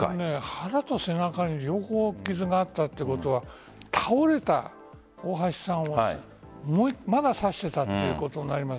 腹と背中両方、傷があったということは倒れた大橋さんをまだ刺していたということになります。